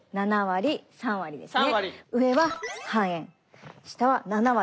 ７割３割です。